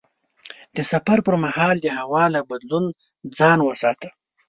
د سفر پر مهال د هوا له بدلون ځان وساته.